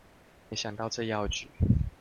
沒想到這藥局